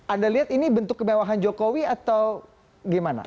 anda lihat ini bentuk kemewahan jokowi atau gimana